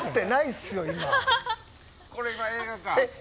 これが映画か。